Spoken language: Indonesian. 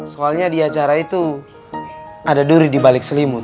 soalnya di acara itu ada duri dibalik selimut